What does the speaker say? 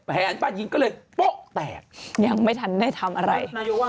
แผนบัญญีนตร์ก็เลยป๊อกแตกยังไม่ทันได้ทำอะไร